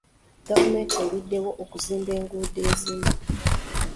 Gavumenti eruddewo okuzimba enguudo ezimu.